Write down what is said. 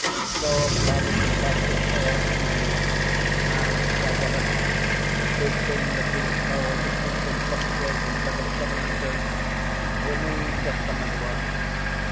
So Parliament passed it a' ower easy; and Sir Robert, bating that he was held to hunting foxes instead of Covenanters, remained just the man he was.